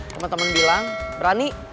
teman teman bilang berani